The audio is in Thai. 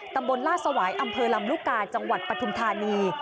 ตำบลล่าสวายอำเภอลำลูกกาจังหวัดปฐุมธานี